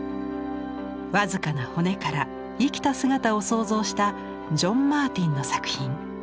僅かな骨から生きた姿を想像したジョン・マーティンの作品。